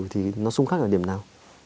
thì nó sung khắc ở điểm nào